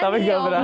tapi tidak berani